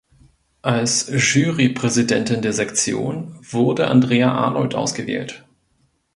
Als Jurypräsidentin der Sektion wurde Andrea Arnold ausgewählt.